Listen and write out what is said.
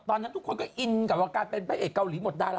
ทุกคนก็อินกับว่าการเป็นพระเอกเกาหลีหมดดารา